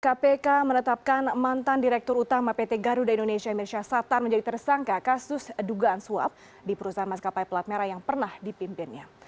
kpk menetapkan mantan direktur utama pt garuda indonesia emir syah sattar menjadi tersangka kasus dugaan suap di perusahaan maskapai pelat merah yang pernah dipimpinnya